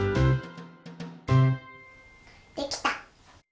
できた！